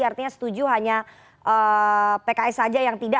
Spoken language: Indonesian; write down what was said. artinya setuju hanya pks saja yang tidak